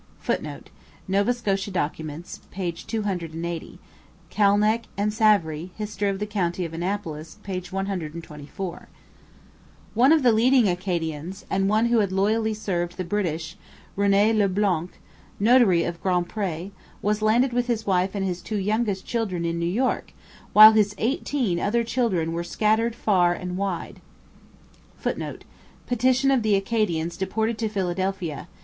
[Footnote: Nova Scotia Documents, p. 280. Calnek and Savary, History of the County of Annapolis, p. 124.] One of the leading Acadians, and one who had loyally served the British, Rene Le Blanc, notary of Grand Pre, was landed with his wife and his two youngest children in New York, while his eighteen other children were scattered far and wide. [Footnote: Petition of the Acadians deported to Philadelphia.